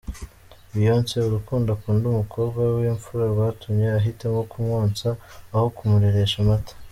Beyonce ,urukundo akunda umukobwa we w'imfura rwatumye ahitamo kumwonsa aho kumureresha amata.